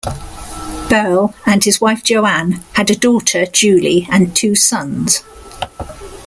Beyrle and his wife JoAnne had a daughter, Julie, and two sons.